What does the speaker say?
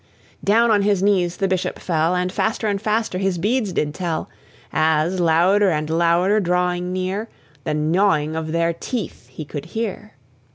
Down on his knees the Bishop fell, And faster and faster his beads did tell, As, louder and louder drawing near, The gnawing of their teeth he could hear.